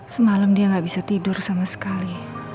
semalam dia nggak bisa tidur sama sekali